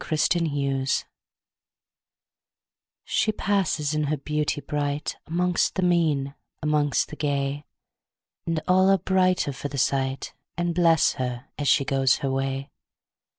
1840 The Secret SHE passes in her beauty brightAmongst the mean, amongst the gay, And all are brighter for the sight, And bless her as she goes her way.